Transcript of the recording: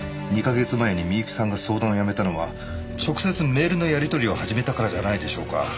２カ月前に美由紀さんが相談をやめたのは直接メールのやり取りを始めたからじゃないでしょうか。